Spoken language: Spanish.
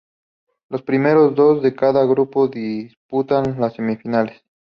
Los primeros dos de cada grupo disputan las semifinales.